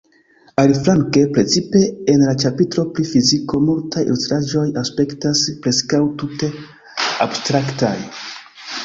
Aliflanke, precipe en la ĉapitro pri “fiziko,” multaj ilustraĵoj aspektas preskaŭ tute abstraktaj.